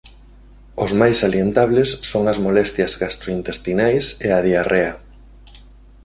Os máis salientables son as molestias gastrointestinais e a diarrea.